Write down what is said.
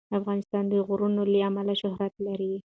افغانستان د غرونه له امله شهرت لري.